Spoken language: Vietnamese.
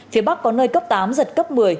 phía bắc có nơi cấp tám giật cấp một mươi